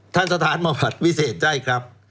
ทันทะสถานบำบัดพิเศษได้ครับ